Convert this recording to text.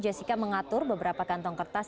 jessica mengatur beberapa kantong kertas